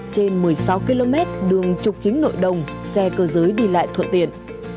một mươi bốn trên một mươi sáu km đường trục chính nội đồng xe cơ giới đi lại thuận tiện